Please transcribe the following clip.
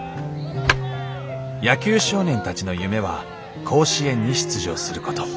野球少年たちの夢は甲子園に出場すること。